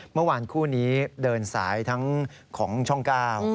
เมื่อวานคู่นี้เดินสายทั้งของช่องเก้า